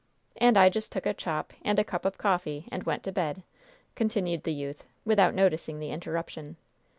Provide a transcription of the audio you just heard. "And I just took a chop and a cup of coffee, and went to bed," continued the youth, without noticing the interruption.